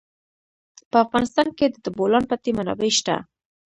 په افغانستان کې د د بولان پټي منابع شته.